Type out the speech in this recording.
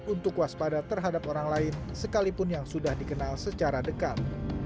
untuk waspada terhadap orang lain sekalipun yang sudah dikenal secara dekat